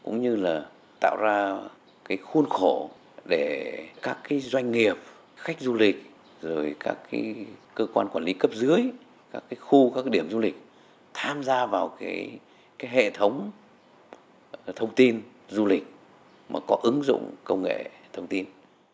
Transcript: cũng như là tạo ra khuôn khổ để các doanh nghiệp khách du lịch các cơ quan quản lý cấp dưới các khu các điểm du lịch tham gia vào hệ thống thông tin du lịch mà có ứng dụng công nghệ thông tin